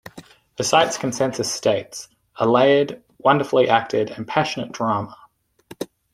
The site's consensus states: A layered, wonderfully-acted, and passionate drama.